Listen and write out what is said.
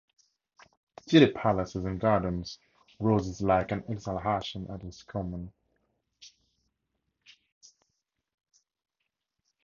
City palaces and gardens rose like an exhalation at his command.